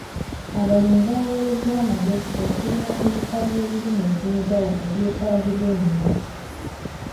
Abalimi baweereddwa amagezi okulima ebika by'ebirime eby'enjawulo ebyetaagibwa ennyo.